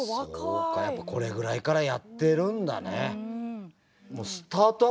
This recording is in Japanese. そうかやっぱこれぐらいからやってるんだね。